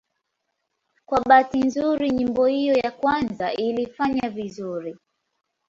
Kwa bahati nzuri nyimbo hiyo ya kwanza ilifanya vizuri.